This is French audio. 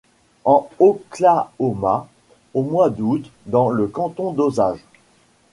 En Oklahoma, au mois d'août dans le canton d'Osage.